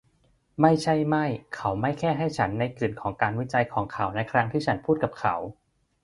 ไม่ใช่ไม่ เขาไม่แค่ให้ฉันในกึ๋นของการวิจัยของเขาในครั้งที่ฉันพูดกับเขา